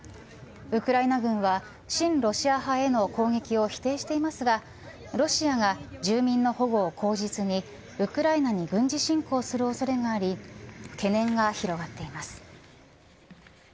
ウクライナ軍は親ロシア派への攻撃を否定してますがロシアが住民の保護を口実にウクライナに軍事侵攻する恐れがあり懸念が広がっています。